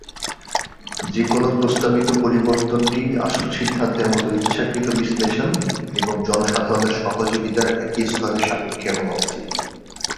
যে কোনও প্রস্তাবিত পরিবর্তনটি আসল সিদ্ধান্তের মতো ইচ্ছাকৃত বিশ্লেষণ এবং জনসাধারণের সহযোগিতার একই স্তরের সাপেক্ষে হওয়া উচিত।